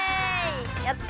やった！